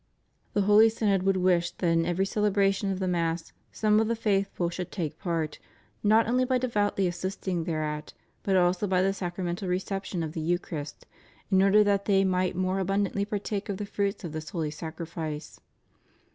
"The Holy Synod would wish that in every celebration of the Mass some of the faithful should take part, not only by devoutly assisting thereat, but also by the sacramental reception of the Eucharist, in order that they might more abundantly partake of the fruits of this holy Sacrifice."